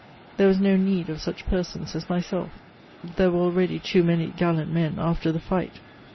There was no need of such persons as myself; there were already too many gaHank men after the fight.